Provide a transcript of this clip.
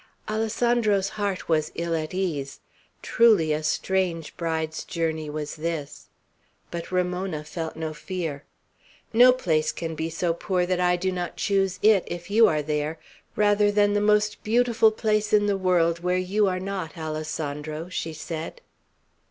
Alessandro's heart was ill at ease. Truly a strange bride's journey was this; but Ramona felt no fear. "No place can be so poor that I do not choose it, if you are there, rather than the most beautiful place in the world where you are not, Alessandro," she said.